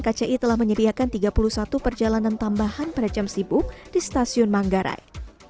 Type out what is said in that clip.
kci telah menyediakan tiga puluh satu perjalanan tambahan pada jam sibuk di stasiun manggarai